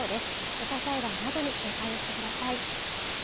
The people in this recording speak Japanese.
土砂災害などに警戒をしてください